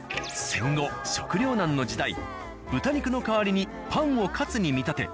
戦後食糧難の時代豚肉の代わりにパンをカツに見立て